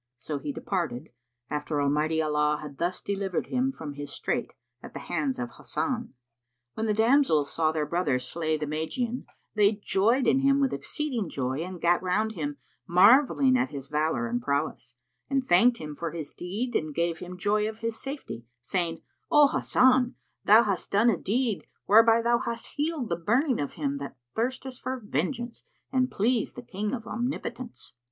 So he departed, after Almighty Allah had thus delivered him from his strait at the hands of Hasan. When the damsels saw their brother slay the Magian they joyed in him with exceeding joy and gat round him, marvelling at his valour and prowess,[FN#48] and thanked him for his deed and gave him joy of his safety, saying, "O Hasan thou hast done a deed, whereby thou hast healed the burning of him that thirsteth for vengeance and pleased the King of Omnipotence!"